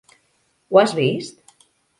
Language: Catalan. Ho has vist?